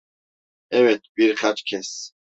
Evet, birkaç kez.